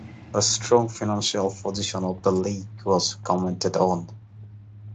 The strong financial position of the league was commented on.